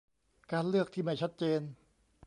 การเลือกที่ไม่ชัดเจน